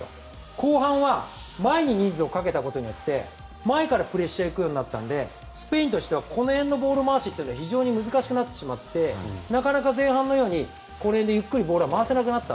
後半は、前に人数をかけたことで前からプレッシャーに行くようになったのでスペインとしてはボール回しが非常に難しくなってしまってなかなか前半のように真ん中でゆっくりとボールを回せなくなった。